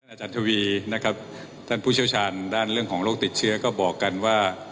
อาจารย์ทวีนะครับท่านผู้เชี่ยวชาญด้านเรื่องของโรคติดเชื้อก็บอกกันว่า